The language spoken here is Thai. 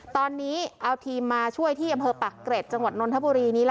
ตอนนี้เอาทีมมาช่วยที่อำเภอปักเกร็ดจังหวัดนนทบุรีนี้